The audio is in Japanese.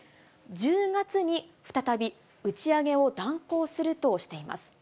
１０月に再び打ち上げを断行するとしています。